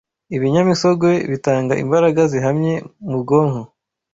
ibinyamisogwe bitanga imbaraga zihamye mubwonko